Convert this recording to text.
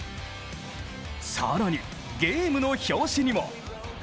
更にゲームの表紙にも。